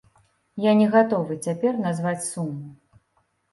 Я не гатовы цяпер назваць суму.